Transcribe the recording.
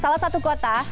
salah satu kota